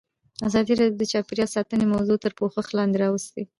ازادي راډیو د چاپیریال ساتنه موضوع تر پوښښ لاندې راوستې.